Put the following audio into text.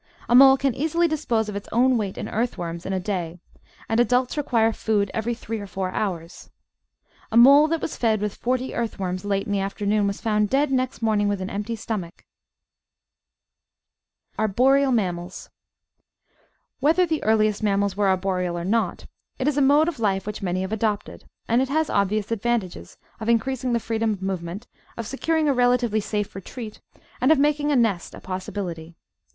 A mole can easily dispose of its own weight in earthworms in a day, and adults require food every three or four hours. A mole that was fed with forty earthworms late in the afternoon was found dead next morning with an empty stomach 1 M Arboreal Mammals Whether the earliest mammals were arboreal or not, it is a mode of life which many have adopted, and it has obvious advan tages of increasing the freedom of movement, of securing a relatively safe retreat, and of making a nest a possibility.